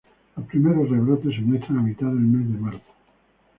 Los primeros rebrotes se muestran a mitad del mes de marzo.